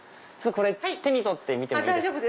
手に取ってみてもいいですか？